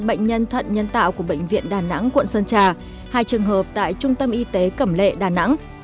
bệnh nhân thận nhân tạo của bệnh viện đà nẵng quận sơn trà hai trường hợp tại trung tâm y tế cẩm lệ đà nẵng